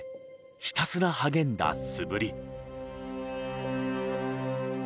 ひたすら励んだ素振り。